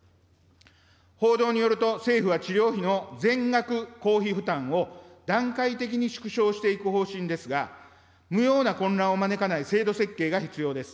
報道によると、政府は治療費の全額公費負担を、段階的に縮小していく方針ですが、無用な混乱を招かない制度設計が必要です。